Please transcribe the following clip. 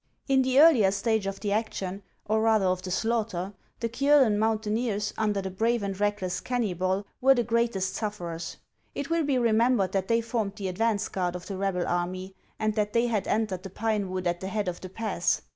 In the earlier stage of the action, or rather of the slaughter, the Kiolen mountaineers, under the brave and reckless Keunybol, were the greatest sufferers. It will be remembered that they formed the advance guard of the rebel army, and that they had entered the pine wood at the head of the pass.